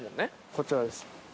こちらです。